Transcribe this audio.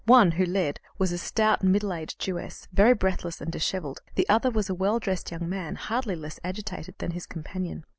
One, who led, was a stout, middle aged Jewess, very breathless and dishevelled; the other was a well dressed young man, hardly less agitated than his companion.